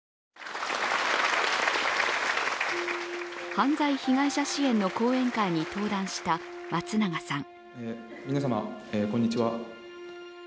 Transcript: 犯罪被害者支援の講演会に登壇した松永さん。